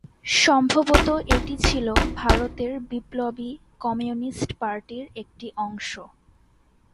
সম্ভবত এটি ছিল ভারতের বিপ্লবী কমিউনিস্ট পার্টির একটি অংশ।